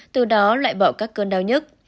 từ đó lại bỏ các cơn đau nhất